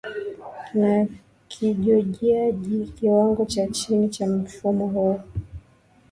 ya Kijojiajia Kiwango cha chini cha mfumo wa